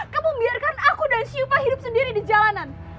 kamu biarkan aku dan syupa hidup sendiri di jalanan